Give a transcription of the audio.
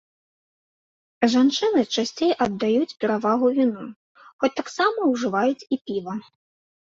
Жанчыны часцей аддаюць перавагу віну, хоць таксама ўжываюць і піва.